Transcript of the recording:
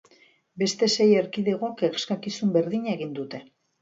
Beste sei erkidegok eskakizun berdina egin dute.